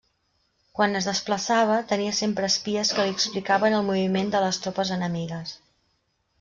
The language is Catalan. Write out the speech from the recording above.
Quan es desplaçava, tenia sempre espies que li explicaven el moviment de les tropes enemigues.